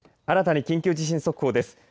新たに緊急地震速報です。